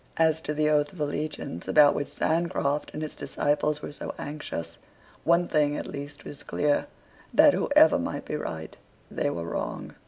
As to the oath of allegiance about which Sancroft and his disciples were so anxious, one thing at least is clear, that, whoever might be right, they were wrong.